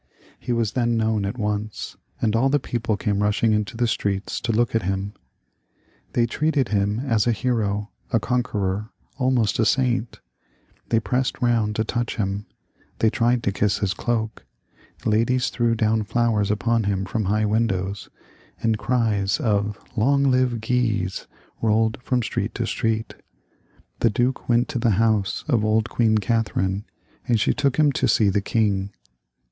He was then known at once, and all the people came rushing into the streets to look at him. They treated him as a hero, a conqueror, almost as a saint ; they pressed round to touch him, they tried to kiss his cloak ; ladies threw down flowers upon him fipom high windows, and cries of " Long live Guise !" rolled fipom street to street. The duke went to the house of old Queen Catherine, and she took him to see the king.